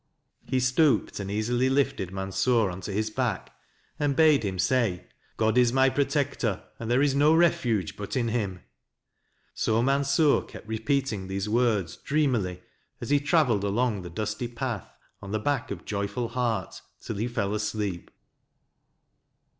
He stooped and easily lifted Mansur on to his back, and bade him say " God is my Protector, and there is no refuge but in fettm." So Mansur kept re peating these words dreamily, as he travelled along the dusty path on the back of Joyful Heart, till he fell asleep.